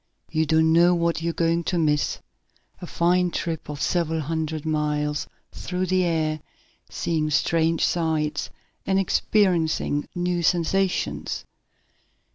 "You don't know what you're going to miss. A fine trip of several hundred miles through the air, seeing strange sights, and experiencing new sensations."